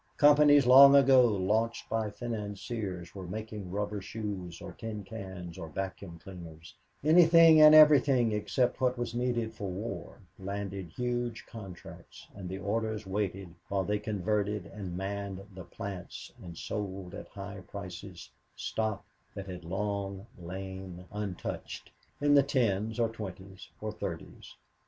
Companies long ago launched by financiers for making rubber shoes or tin cans or vacuum cleaners anything and everything except what was needed for war landed huge contracts, and the orders waited while they converted and manned the plants and sold at high prices stock that had long lain untouched in the tens or twenties or thirties.